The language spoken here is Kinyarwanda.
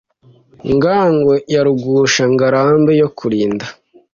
Ngango ya rugusha, Ngarambe yo kulinda,